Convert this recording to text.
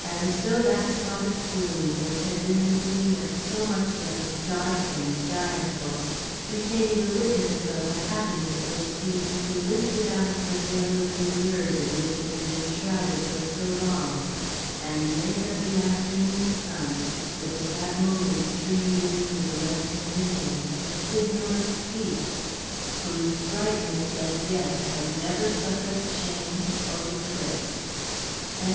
And so that spot of gloom, which had been the scene of so much that was dark and direful, became the witness of a happiness which seemed to lift it out of the veil of reserve in which it had been shrouded for so long, and make of the afternoon sun, which at that moment streamed in through the western windows, a signal of peace, whose brightness as yet has never suffered change or eclipse. THE END.